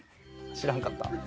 知らんかった。